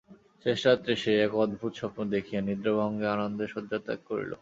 শেষ রাত্রে সে এক অদ্ভুত স্বপ্ন দেখিয়া নিদ্রাভঙ্গে আনন্দে শয্যা ত্যাগ করিল।